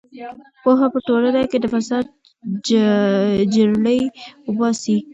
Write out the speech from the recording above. پوهه په ټولنه کې د فساد جرړې وباسي.